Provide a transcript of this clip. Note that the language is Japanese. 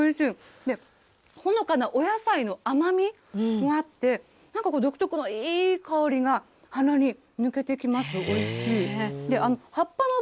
で、ほのかなお野菜の甘みもあって、なんか独特のいい香りが、鼻に抜けていきます。